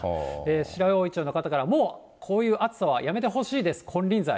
白老町の方から、もうこういう暑さはやめてほしいです、金輪際。